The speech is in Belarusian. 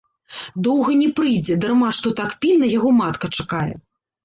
Доўга не прыйдзе, дарма што так пільна яго матка чакае.